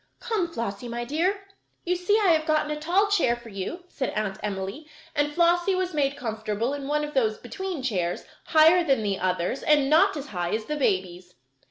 "Come, Flossie, my dear, you see I have gotten a tall chair for you," said Aunt Emily, and Flossie was made comfortable in one of those "between" chairs, higher than the others, and not as high as a baby's.